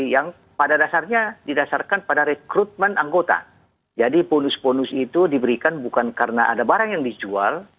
yang pada dasarnya didasarkan pada rekrutmen anggota jadi bonus bonus itu diberikan bukan karena ada barang yang dijual